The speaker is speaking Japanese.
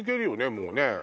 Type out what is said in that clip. もうね。